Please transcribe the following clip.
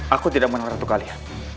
aku tidak menang ratu kalia